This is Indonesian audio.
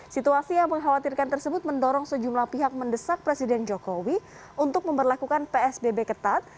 situasi yang mengkhawatirkan tersebut mendorong sejumlah pihak mendesak presiden jokowi untuk memperlakukan psbb ketat